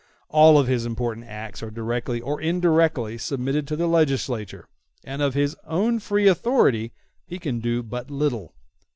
All his important acts are directly or indirectly submitted to the legislature, and of his own free authority he can do but little.